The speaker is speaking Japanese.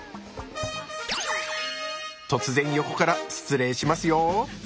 突然横から失礼しますよ。